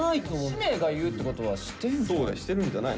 しめが言うってことはしてるんじゃない？